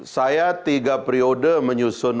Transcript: saya tiga periode menyusun